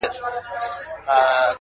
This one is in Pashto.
o تر تا څو چنده ستا د زني عالمگير ښه دی؛